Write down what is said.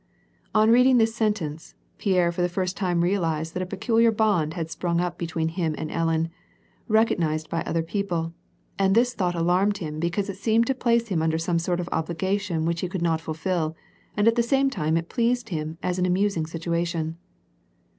* On reading this sentence, Pierre for the first time realized that a peculiar bond had sprung up between him and Ellen, recognized by other people, and this thought alarmed him because it seemed to place him under some sort of an obliga tion which he could not fulfil, and at the same time it pleased him as an amusing situation.